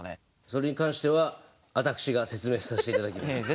それに関してはあたくしが説明さしていただきます。